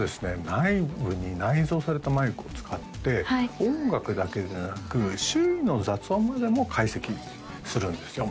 内部に内蔵されたマイクを使って音楽だけでなく周囲の雑音までも解析するんですよ